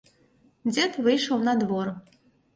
Дзед выйшаў на двор.